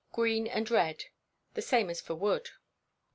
Green and Red. The same as for wood.